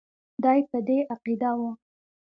دی په دې عقیده وو.